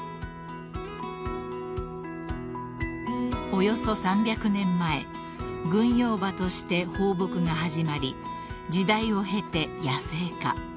［およそ３００年前軍用馬として放牧が始まり時代を経て野生化］